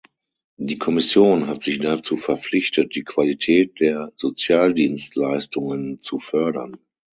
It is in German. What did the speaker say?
Die Kommission hat sich dazu verpflichtet, die Qualität der Sozialdienstleistungen zu fördern.